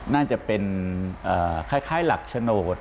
น่าจะเป็นคล้ายหลักโฉนด